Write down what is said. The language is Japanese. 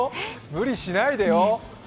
無理しないでよ！